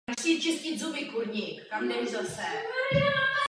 Pro nepříznivé větry se tato část výpravy musela vrátit na Filipíny.